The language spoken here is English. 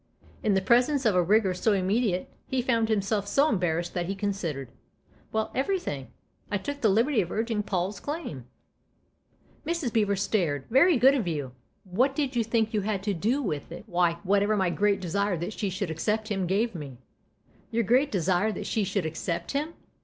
In the presence of a rigour so immediate he found himself so embarrassed that he considered. " Well everything. I took the liberty of urging Paul's claim." Mrs. Beever stared. " Very good of you ! What did you think you had to do with it ?"" Why, whatever my great desire that she should accept him gave me." " Your great desire that she should accept him